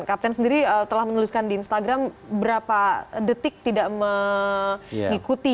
kapten sendiri telah menuliskan di instagram berapa detik tidak mengikuti